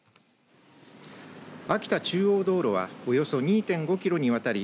秋田中央道路はおよそ２．５キロにわたり